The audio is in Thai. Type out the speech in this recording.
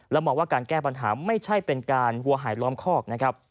และหมอว่าการแก้ปัญหาไม่ใช่เป็นการหัวหายล้อมคอก